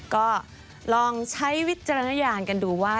ก็ลองใช้วิจารณญาณกันดูว่า